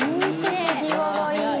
手際がいいな！